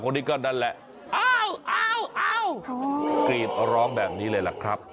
คนนี้ก็นั่นแหละอ้าวกรีดร้องแบบนี้เลยล่ะครับ